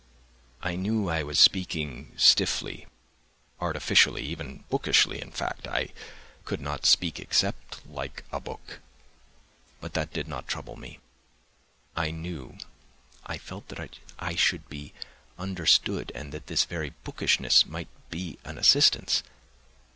I knew I was speaking stiffly, artificially, even bookishly, in fact, I could not speak except "like a book." But that did not trouble me: I knew, I felt that I should be understood and that this very bookishness might be an assistance.